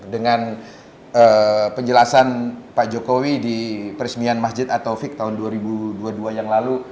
dengan penjelasan pak jokowi di peresmian masjid atau fik tahun dua ribu dua puluh dua yang lalu